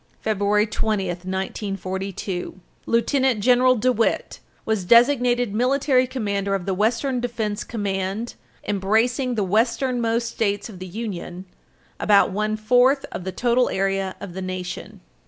February 20, 1942, Lieutenant General DeWitt was designated Military Commander of the Western Defense Command embracing the westernmost states of the Union about one fourth of the total area of the nation.